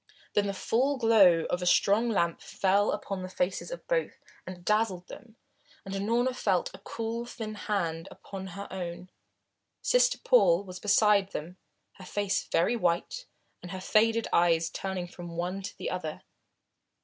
Then the full glow of a strong lamp fell upon the faces of both and dazzled them, and Unorna felt a cool thin hand upon her own. Sister Paul was beside them, her face very white and her faded eyes turning from the one to the other.